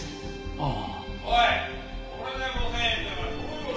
ああ。